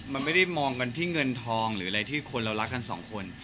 มันไม่ได้มองกันที่เงินทองหรืออะไรที่คนเรารักกันสองคน